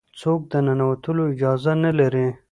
څوک د ننوتلو اجازه نه لري.